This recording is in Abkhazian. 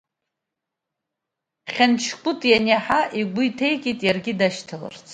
Хьанчкәыт ианиаҳа, игәы иҭеикит иаргьы дашьҭаларц.